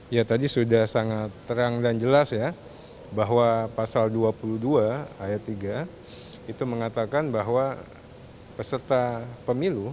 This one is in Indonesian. ya tadi sudah sangat terang dan jelas ya bahwa pasal dua puluh dua ayat tiga itu mengatakan bahwa peserta pemilu